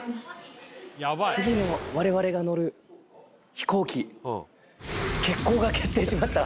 次の我々が乗る飛行機欠航が決定しました。